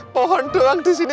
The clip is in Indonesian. pohon doang disini sama adul